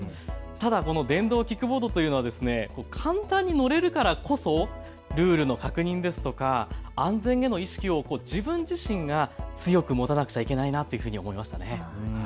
ただこの電動キックボードというのは簡単に乗れるからこそルールの確認ですとか安全への意識を自分自身が強く持たなくちゃいけないなと思いました。